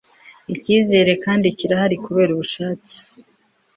icyizere kandi kirahari kubera ubushake